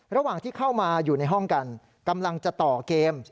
ระหว่างที่เข้ามาอยู่ในห้องกันกำลังจะต่อเกม